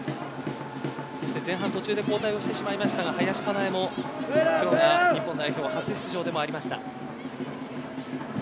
そして前半途中で交代してしまいましたが林香奈絵も今日は日本代表初出場でもありました。